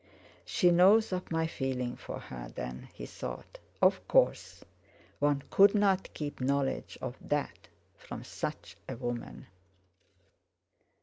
"She knows of my feeling for her, then," he thought. Of course! One could not keep knowledge of that from such a woman!